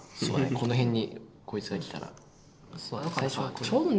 この辺にこいつが来たら。